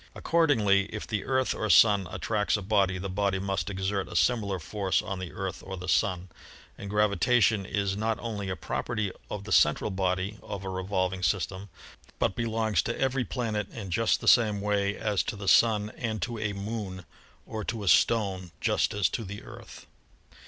Accordingly, if the Earth or Sun attracts a body, the body must exert a similar force on the Earth or the Sun, and gravitation is not only a property of the central body of a revolving system, but belongs to every planet in just the same way as to the Sun and to a Moon or to a stone just as to the Earth.